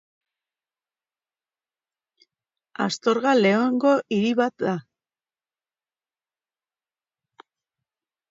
Astorga Leongo hiri bat da.